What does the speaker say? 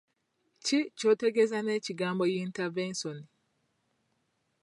Ki ky'otegeeza n'ekigambo yintavensoni?